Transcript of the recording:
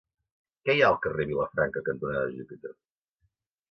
Què hi ha al carrer Vilafranca cantonada Júpiter?